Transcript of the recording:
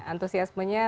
antusiasmenya luar biasa